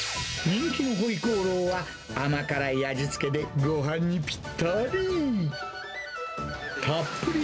人気のホイコーローは甘辛い味付けで、ごはんにぴったり。